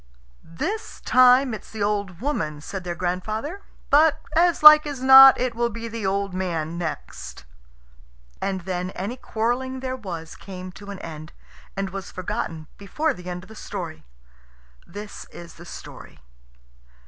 "This time it's the old woman," said their grandfather; "but, as like as not, it will be the old man next." And then any quarrelling there was came to an end, and was forgotten before the end of the story. This is the story.